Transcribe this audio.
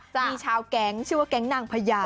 มีชาวแก๊งชื่อว่าแก๊งนางพญา